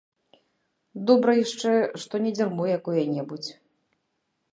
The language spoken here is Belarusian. Добра яшчэ, што не дзярмо якое-небудзь.